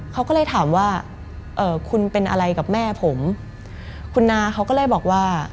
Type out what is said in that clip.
เขาก็เลยถามว่าเอ่อคุณเป็นอะไรกับแม่ผมคุณนาเขาก็เลยบอกว่า